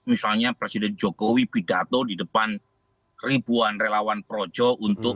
misalnya presiden jokowi pidato di depan ribuan relawan projek